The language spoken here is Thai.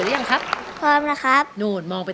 ร้องได้เห็นแม่มีสุขใจ